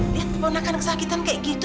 lihat ponakan kesakitan kayak gitu